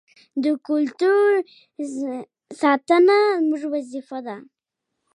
د کلتور ساتنه زموږ وظیفه ده.